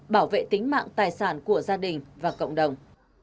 bảo vệ tính mạng tài sản của gia đình và cộng đồng